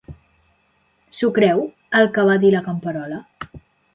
S'ho creu, el que va dir la camperola?